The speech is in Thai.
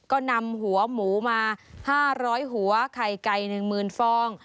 ก็นำหัวหมูมา๕๐๐หัวไข่ไก่๑๐๐๐ฟอง